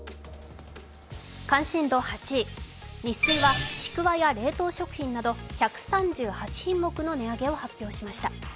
関心度８位、ニッスイはちくわや冷凍食品など１３８品目の値上げを発表しました。